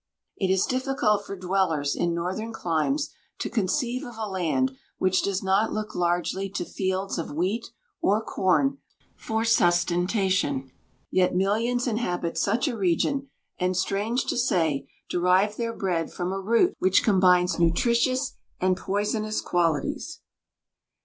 It is difficult for dwellers in northern climes to conceive of a land which does not look largely to fields of wheat or corn for sustentation; yet millions inhabit such a region, and strange to say, derive their bread from a root which combines nutritious and poisonous qualities.